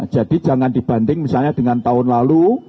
jadi jangan dibanding misalnya dengan tahun lalu